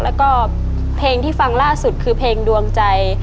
แล้วก็เพลงที่ฟังล่าสุดคือเพลงดวงใจ